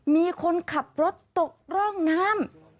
มีคนขับรถตกร่องน้ำ